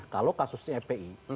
kalau kasusnya epi